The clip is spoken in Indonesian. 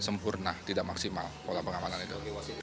sempurna tidak maksimal pola pengamanan itu